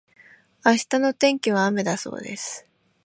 明日の天気は雨だそうです。